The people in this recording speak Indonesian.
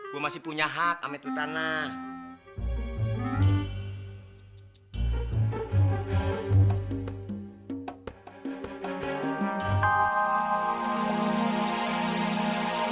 gue masih punya hak amat tanah